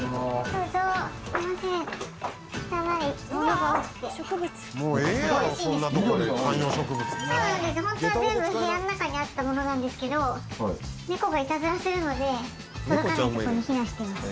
ホントは全部部屋の中にあったものなんですけど猫がいたずらするので届かないとこに避難しています。